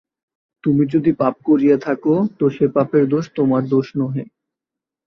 তুমি যদি পাপ করিয়া থাক তো সে পাপের দোষ, তােমার দোষ নহে।